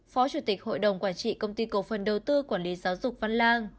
phó chủ tịch hội đồng quản trị công ty cổ phần đầu tư quản lý giáo dục văn lang